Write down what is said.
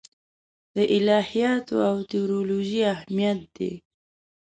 د الهیاتو او تیولوژي اهمیت دی.